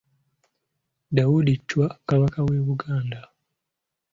DAUDI CHWA Kabaka w'e Buganda.